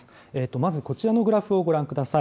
まずこちらのグラフをご覧ください。